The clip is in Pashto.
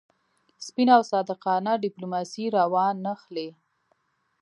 سپینه او صادقانه ډیپلوماسي را وانه خلي.